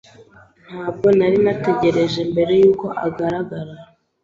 Ntabwo nari narategereje mbere yuko agaragara.